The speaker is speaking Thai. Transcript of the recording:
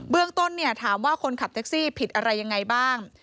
เรื่องต้นถามว่าคนขับแท็กซี่ผิดอะไรยังไงบ้าง